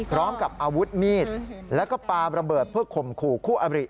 พร้อมกับอาวุธมีดแล้วก็ปาระเบิดเพื่อข่มขู่คู่อบริ